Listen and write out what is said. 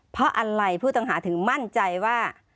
เพราะอะไรผู้ต้องหาถึงมั่นใจว่า